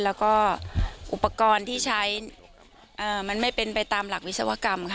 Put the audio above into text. แล้วก็อุปกรณ์ที่ใช้มันไม่เป็นไปตามหลักวิศวกรรมค่ะ